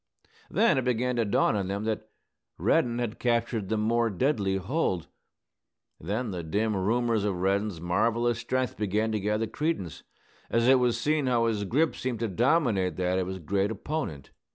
Then it began to dawn on them that Reddin had captured the more deadly hold. Then the dim rumors of Reddin's marvellous strength began to gather credence, as it was seen how his grip seemed to dominate that of his great opponent.